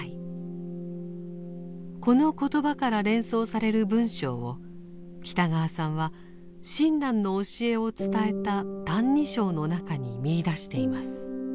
この言葉から連想される文章を北川さんは親鸞の教えを伝えた「歎異抄」の中に見いだしています。